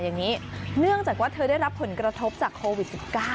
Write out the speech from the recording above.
เนื่องจากว่าเธอได้รับผลกระทบจากโควิด๑๙